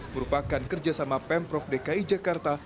merupakan kerjasama pemprov dki jakarta